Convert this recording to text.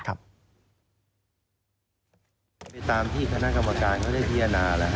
ตามที่คณะกรรมการเขาได้พิจารณาแล้ว